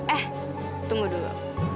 eh tunggu dulu